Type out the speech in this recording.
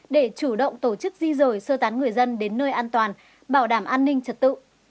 để chủ động tổ chức di rời sơ tán người dân đến nơi an toàn bảo đảm an ninh trật tự